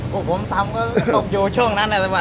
พวกผมทำก็ตกอยู่ช่วงนั้นอะไรวะ